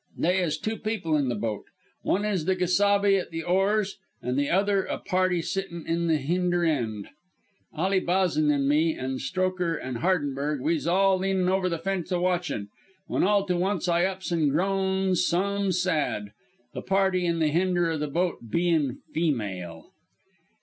They is two people in the boat. One is the gesabe at the oars an' the other a party sitting in the hinder end. "Ally Bazan an' me, an' Strokher an' Hardenberg, we's all leanin' over the fence a watchin'; when all to once I ups an' groans some sad. The party in the hinder end o' the boat bein' feemale.